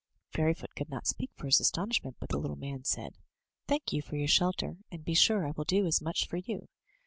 Fairy foot could not speak for astonishment, but the little man said: "Thank you for your shelter, and be sure I will do as much for you.